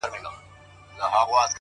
دا ځلي غواړم لېونی سم د هغې مینه کي،